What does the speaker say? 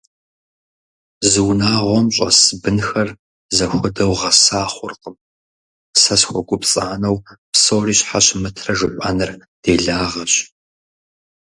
Зы унагъуэм щӀэс бынхэр зэхуэдэу гъэса хъуркъым, сэ схуэгупцӀанэу псори щхьэ щымытрэ жыпӀэныр делагъэщ.